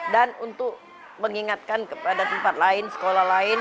dan untuk mengingatkan kepada tempat lain sekolah lain